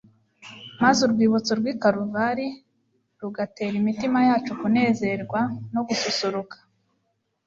maze urwibutso rw'i Karuvali rugatera imitima yacu kunezerwa no gususuruka.